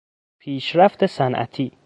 پیشرفت صنعتی